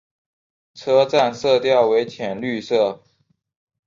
车站色调为浅绿色。